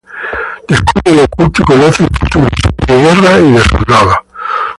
Descubre lo oculto y conoce el futuro, sabe de guerras y de soldados.